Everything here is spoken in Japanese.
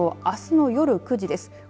あすの夜９時です。